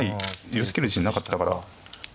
寄せきる自信なかったから。